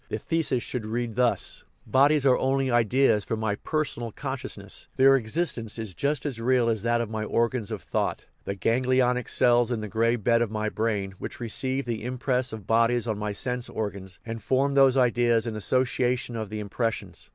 The thesis should be read thus :" Bodies are only ideas 244 THE EVOLUTION OF THE WORLD for my personal consciousness ; their existence is just as real as that of my organs of thought, the ganglionic cells in the gray bed of my brain, which receive the im press of bodies on my sense organs and form those ideas by association of the impressions.